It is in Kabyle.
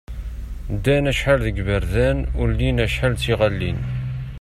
Ddan acḥal deg yiberdan, ulin acḥal d tiɣalin.